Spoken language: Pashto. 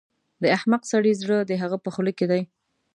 د احمق سړي زړه د هغه په خوله کې دی.